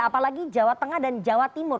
apalagi jawa tengah dan jawa timur